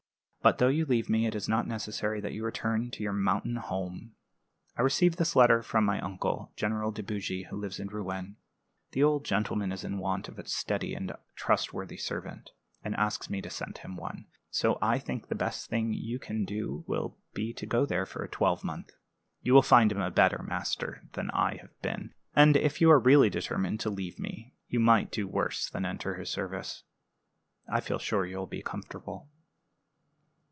But though you leave me, it is not necessary that you return to your mountain home. I received this letter from my uncle, General De Bougy, who lives in Rouen. The old gentleman is in want of a steady and trustworthy servant, and asks me to send him one, so I think the best thing you can do will be to go there for a twelvemonth. You will find him a better master than I have been; and if you are really determined to leave me, you might do worse than enter his service. I feel sure you will be comfortable."